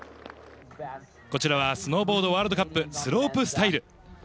こちらはスノーボードワールドカップ、スロープスタイル。